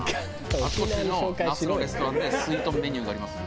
あちこちの那須のレストランですいとんメニューがあります。